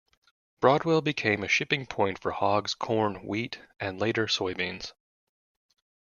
Broadwell became a shipping point for hogs, corn, wheat and later soybeans.